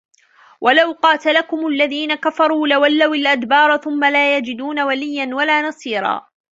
وَلَو قاتَلَكُمُ الَّذينَ كَفَروا لَوَلَّوُا الأَدبارَ ثُمَّ لا يَجِدونَ وَلِيًّا وَلا نَصيرًا